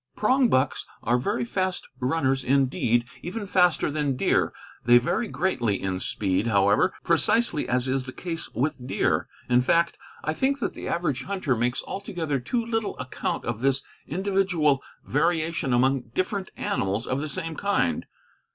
Prongbucks are very fast runners indeed, even faster than deer. They vary greatly in speed, however, precisely as is the case with deer; in fact, I think that the average hunter makes altogether too little account of this individual variation among different animals of the same kind.